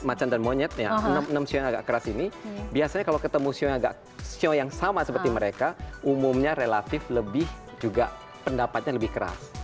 macan dan monyet ya enam sio yang agak keras ini biasanya kalau ketemu sio yang sama seperti mereka umumnya relatif lebih juga pendapatnya lebih keras